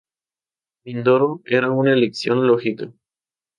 Mindoro era la elección lógica.